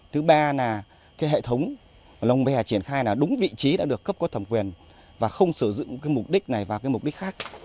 thứ ba là hệ thống đồng bè triển khai đúng vị trí đã được cấp có thẩm quyền và không sử dụng mục đích này và mục đích khác